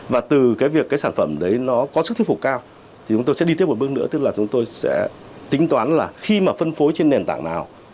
và từ cái việc cái sản phẩm đấy nó có sức thuyết phục cao thì chúng tôi sẽ đi tiếp một bước nữa tức là chúng tôi sẽ tính toán là khi mà phân phối trên nền tảng nào